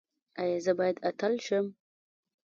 ایا زه باید اتل شم؟